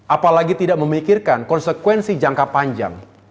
apalagi tidak memikirkan konsekuensi jangka panjang